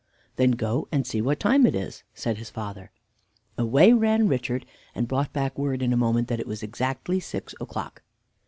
"Then go and see what time it is," said his father. Away ran Richard, and brought back word in a moment that it was exactly six o'clock.